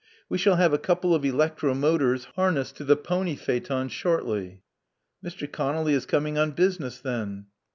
We shall have a couple of electro motors harnessed to the pony phaeton shortly." *'Mr. Conolly is coming on business, then."